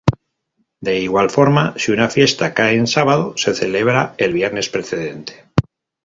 De igual forma, si una fiesta cae en sábado, se celebra el viernes precedente.